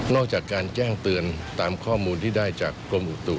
จากการแจ้งเตือนตามข้อมูลที่ได้จากกรมอุตุ